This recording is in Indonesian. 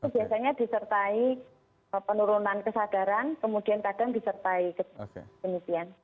biasanya disertai penurunan kesadaran kemudian kadang disertai demikian